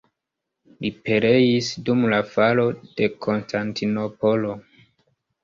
Li pereis dum la falo de Konstantinopolo.